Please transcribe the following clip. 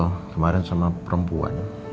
kalo kemarin sama perempuan